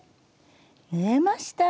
縫えました。